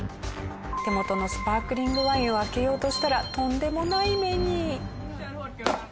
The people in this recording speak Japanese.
手元のスパークリングワインを開けようとしたらとんでもない目に。